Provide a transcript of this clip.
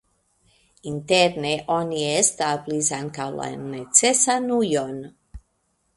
Interne oni establis ankaŭ la necesan ujon.